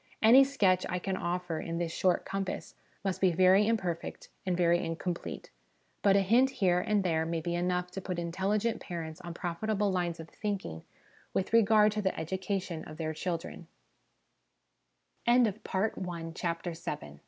Any sketch I can offer in this short compass must be very imperfect and very incomplete ; but a hint here and there may be enough to put intelligent parents on profitable lines of thinking with regard to the edu cation of their